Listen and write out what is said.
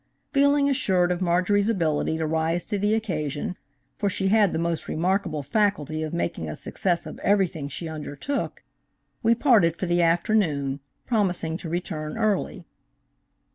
Feeling assured of Marjorie's ability to rise to the occasion–for she had the most remarkable faculty of making a success of everything she undertook–we parted for the afternoon, promising to return early.